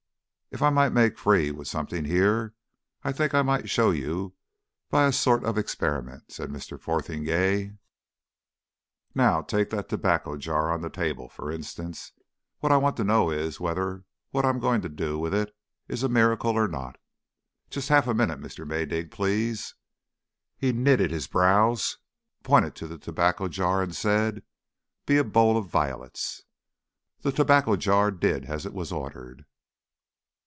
"If I might make free with something here, I think I might show you by a sort of experiment," said Mr. Fotheringay. "Now, take that tobacco jar on the table, for instance. What I want to know is whether what I am going to do with it is a miracle or not. Just half a minute, Mr. Maydig, please." He knitted his brows, pointed to the tobacco jar and said: "Be a bowl of vi'lets." The tobacco jar did as it was ordered.